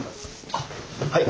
あっはい。